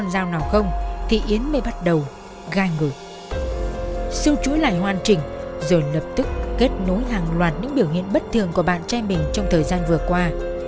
đối tượng của bạn trai mình trong thời gian vừa qua